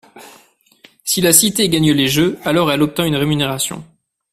Si la cité gagne les Jeux, alors elle obtint une rémunération.